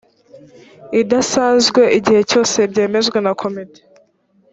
idasanzwe igihe cyose byemejwe na komite